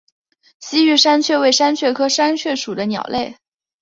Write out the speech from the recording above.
西域山雀为山雀科山雀属的鸟类。